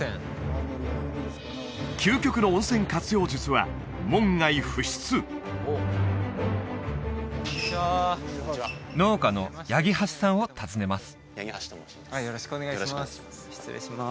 究極の温泉活用術は門外不出農家の八木橋さんを訪ねます八木橋と申します